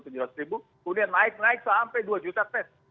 kemudian naik naik sampai dua juta tes